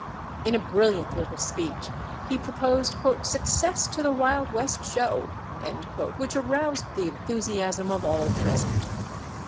In a brilliant little speech he proposed "success to the Wild West Show," which aroused the enthusiasm of all present.